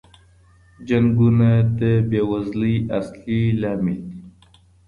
جنګونه د بې وزلۍ اصلی عامل دي.